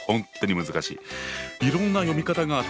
いろんな読み方があって！